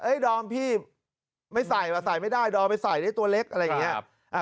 ดอมพี่ไม่ใส่ใส่ไม่ได้ดอมไปใส่ได้ตัวเล็กอะไรอย่างนี้